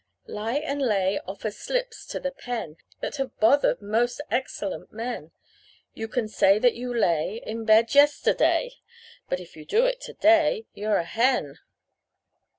Lie and lay offer slips to the pen That have bothered most excellent men: You can say that you lay In bed yesterday; If you do it to day, you're a hen!